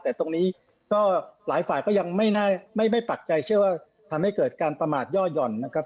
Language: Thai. แต่ตรงนี้ก็หลายฝ่ายก็ยังไม่ปักใจเชื่อว่าทำให้เกิดการประมาทย่อหย่อนนะครับ